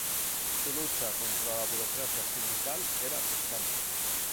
Su lucha contra la burocracia sindical era constante.